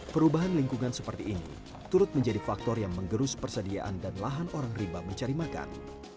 perubahan lingkungan seperti ini turut menjadi faktor yang menggerus persediaan dan lahan orang riba mencari makan